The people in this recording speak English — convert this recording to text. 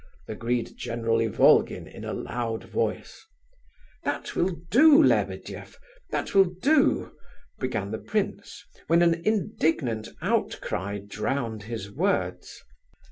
agreed General Ivolgin in a loud voice. "That will do, Lebedeff, that will do—" began the prince, when an indignant outcry drowned his words.